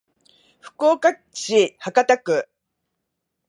福岡市博多区